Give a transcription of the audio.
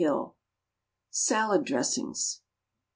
SALAD DRESSINGS.